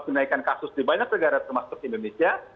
kenaikan kasus di banyak negara termasuk indonesia